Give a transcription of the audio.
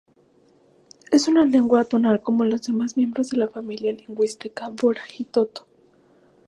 Es una lengua tonal como los demás miembros de la familia lingüística bora-huitoto.